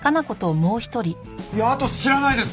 いやあとは知らないです。